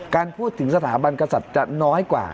การพูดถึงสถาบันกษัตริย์จะน้อยกว่า